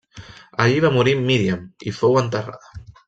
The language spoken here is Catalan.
Allí va morir Míriam i fou enterrada.